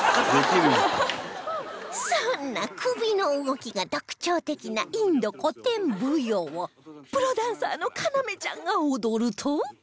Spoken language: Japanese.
そんな首の動きが特徴的なインド古典舞踊をプロダンサーのカナメちゃんが踊ると